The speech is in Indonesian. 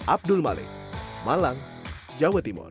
abdul malik malang jawa timur